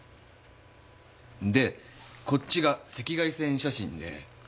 でこっちが赤外線写真で。